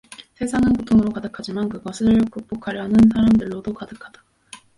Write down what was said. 세상은 고통으로 가득하지만 그것을 극복하는 사람들로도 가득하다.